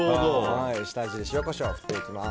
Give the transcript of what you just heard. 下味で塩、コショウ振っていきます。